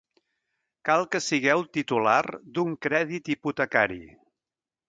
Cal que sigueu titular d'un crèdit hipotecari.